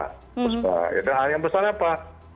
terus hal yang besar apa